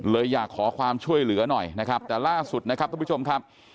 อยากขอความช่วยเหลือหน่อยนะครับแต่ล่าสุดนะครับทุกผู้ชมครับ